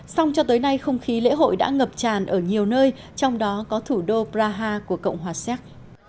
song cho tới nay không khí lễ hội đã ngập tràn ở nhiều nơi trong đó có thủ đô praha của cộng hòa séc